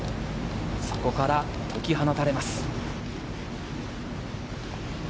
そこから解き放たれます。